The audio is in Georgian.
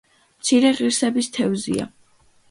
მცირე ღირსების თევზია.